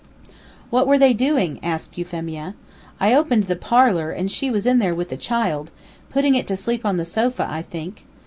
"What were they doing?" asked Euphemia. "I opened the parlor, and she was in there with the child, putting it to sleep on the sofa, I think.